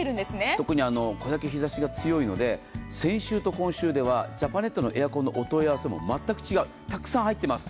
特にこれだけ日ざしが強いので先週と今週ではジャパネットのエアコンのお問い合わせも全く違うたくさん入っています。